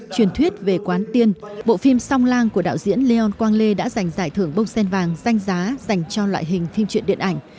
truyền thuyết về quán tiên bộ phim song lang của đạo diễn lêon quang lê đã giành giải thưởng bông sen vàng danh giá dành cho loại hình phim truyện điện ảnh